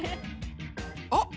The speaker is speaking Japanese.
あっ。